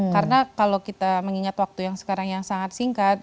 karena kalau kita mengingat waktu yang sekarang yang sangat singkat